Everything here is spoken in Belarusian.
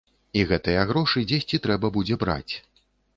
І гэтыя грошы дзесьці трэба будзе браць.